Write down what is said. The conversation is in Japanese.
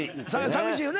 寂しいよね？